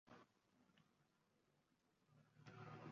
“Agar o‘yinchoqlaringni joyiga olib qo‘ymasang